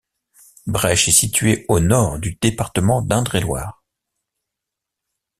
Brèches est située au nord du département d'Indre-et-Loire.